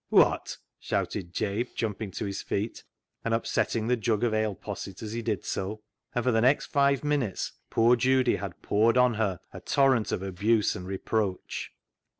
" Wot ?" shouted Jabe, jumping to his feet, and upsetting the jug of ale posset as he did so. And for the next five minutes poor Judy had poured upon her a torrent of abuse and re proach.